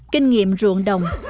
kinh nghiệm ruộng đồng